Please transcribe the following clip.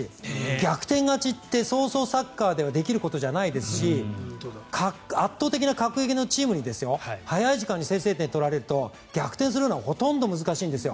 逆転勝ちってそうそうサッカーではできることじゃないですし圧倒的な格上のチームに早い時間に先制点を取られると逆転するのはほとんど難しいんですよ。